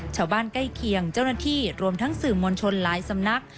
ชาวบ้านใกล้เคียงเจ้าหน้าที่รวมทั้งสื่อมวลชนหลายสำนัก